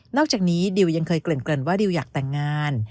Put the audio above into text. อกจากนี้ดิวยังเคยเกริ่นว่าดิวอยากแต่งงาน